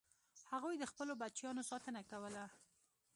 هغوی د خپلو بچیانو ساتنه کوله.